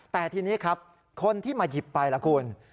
แต่ทีนี้ครับคนที่มาหยิบไปล่ะคุณ